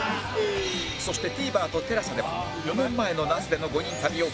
そして ＴＶｅｒ と ＴＥＬＡＳＡ では４年前の那須での５人旅を放送後に配信